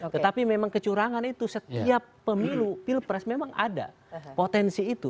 tetapi memang kecurangan itu setiap pemilu pilpres memang ada potensi itu